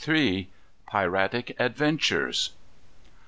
_Piratic Adventures.